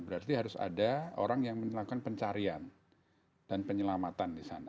berarti harus ada orang yang melakukan pencarian dan penyelamatan di sana